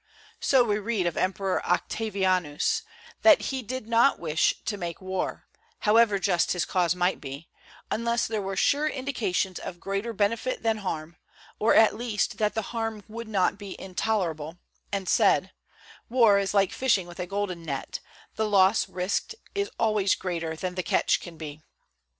So we read of the Emperor Octavianus, that he did not wish to make war, however just his cause might be, unless there were sure indications of greater benefit than harm, or at least that the harm would not be intolerable, and said: "War is like fishing with a golden net; the loss risked is always greater than the catch can be."